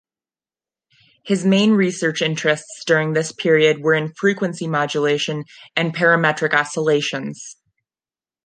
His main research interests during this period were in frequency modulation and parametric oscillations.